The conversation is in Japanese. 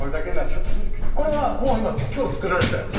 これはもう今今日作られた？